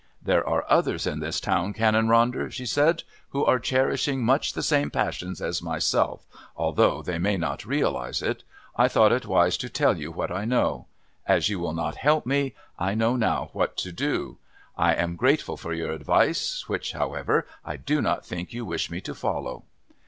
"There are others in this town, Canon Ronder," she said, "who are cherishing much the same passions as myself, although they may not realise it. I thought it wise to tell you what I know. As you will not help me, I know now what to do. I am grateful for your advice which, however, I do not think you wish me to follow."